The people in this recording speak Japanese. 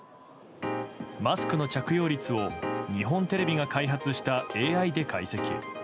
マスクの着用率を日本テレビが開発したＡＩで解析。